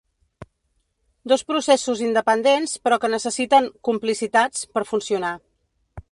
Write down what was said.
Dos processos independents, però que necessiten ‘complicitats’ per funcionar.